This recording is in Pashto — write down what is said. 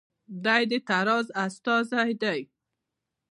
دی د تزار استازی دی.